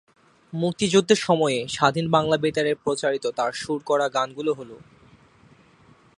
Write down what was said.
মুক্তিযুদ্ধের সময়ে স্বাধীন বাংলা বেতারে প্রচারিত তার সুর করা গানগুলো হলো-